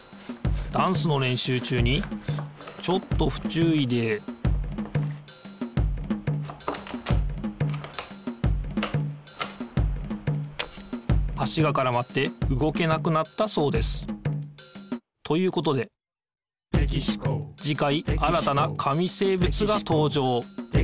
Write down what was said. ダンスのれんしゅう中にちょっとふちゅういで足がからまって動けなくなったそうです。ということでじかい新たな紙生物がとうじょう。